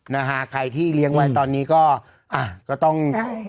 นะฮะใครที่เลี้ยงไว้ตอนนี้ก็อ่ะก็ต้องใช่